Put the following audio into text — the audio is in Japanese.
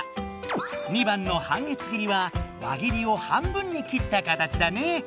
２番の「半月切り」は輪切りを半分に切った形だね。